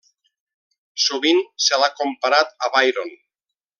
Sovint se l'ha comparat a Byron.